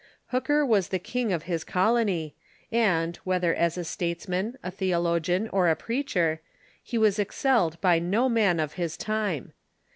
Hooker was the king of his colony, and, whether as a statesman, a theologian, or a preacher, he was excelled by no man of his time.